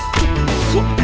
tuh tuh tuh tuh